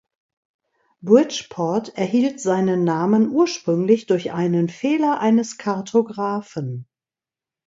Bridgeport erhielt seinen Namen ursprünglich durch einen Fehler eines Kartographen.